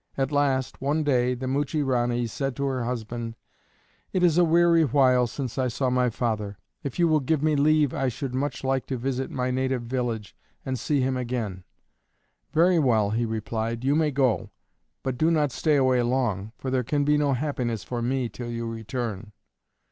At last, one day, the Muchie Ranee said to her husband, "It is a weary while since I saw my father. If you will give me leave, I should much like to visit my native village and see him again." "Very well," he replied, "you may go. But do not stay away long; for there can be no happiness for me till you return."